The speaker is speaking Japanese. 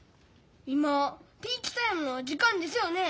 今ピーチタイムの時間ですよね？